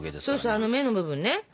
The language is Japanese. そうそうあの目の部分ね。